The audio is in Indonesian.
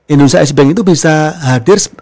indonesia es bank itu bisa hadir